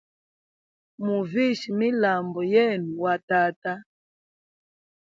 Muvishe milambu yenu wa tata.